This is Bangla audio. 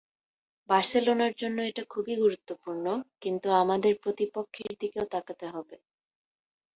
বার্সেলোনার জন্য এটা খুবই গুরুত্বপূর্ণ, কিন্তু আমাদের প্রতিপক্ষের দিকেও তাকাতে হবে।